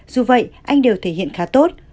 dù vậy anh đều thể hiện khá tốt